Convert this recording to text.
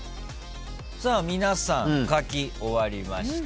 皆さん書き終わりました。